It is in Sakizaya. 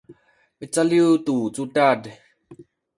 micaliw tu cudad